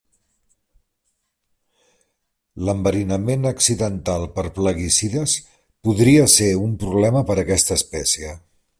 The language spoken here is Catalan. L'enverinament accidental per plaguicides podria ser un problema per aquesta espècie.